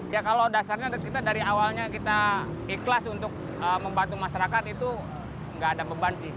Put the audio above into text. ya kalau dasarnya kita dari awalnya kita ikhlas untuk membantu masyarakat itu nggak ada beban sih